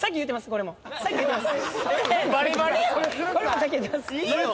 これも先言うてます。